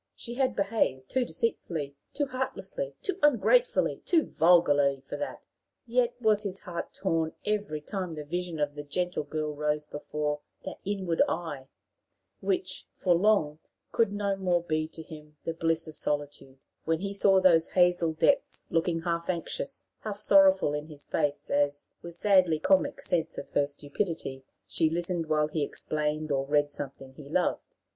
She had behaved too deceitfully, too heartlessly, too ungratefully, too vulgarly for that! Yet was his heart torn every time the vision of the gentle girl rose before "that inward eye," which, for long, could no more be to him "the bliss of solitude"; when he saw those hazel depths looking half anxious, half sorrowful in his face, as, with sadly comic sense of her stupidity, she listened while he explained or read something he loved.